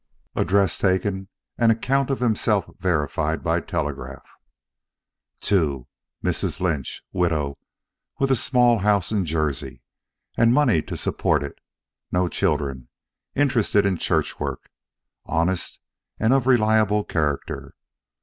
Address taken, and account of himself verified by telegraph. II Mrs. Lynch. Widow, with a small house in Jersey and money to support it. No children. Interested in church work. Honest and of reliable character.